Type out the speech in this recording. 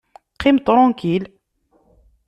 Qqim tṛankil!